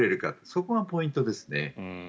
そこがポイントですね。